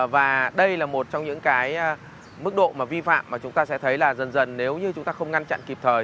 và đây là một trong những cái mức độ mà vi phạm mà chúng ta sẽ thấy là dần dần nếu như chúng ta không ngăn chặn kịp thời